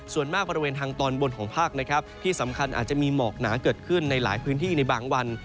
ส่วนมากบริเวณทางตอนบนของภาคนะครับที่สำคัญอาจจะมีหมอกหนาเกิดขึ้นในหลายพื้นที่ในบางวัน